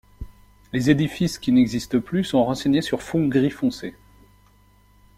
Les édifices qui n'existent plus sont renseignés sur fond gris foncé.